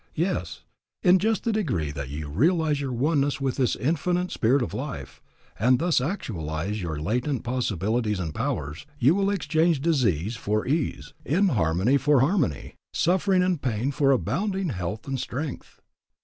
Yes, in just the degree that you realize your oneness with this Infinite Spirit of Life, and thus actualize your latent possibilities and powers, you will exchange dis ease for ease, inharmony for harmony, suffering and pain for abounding health and strength.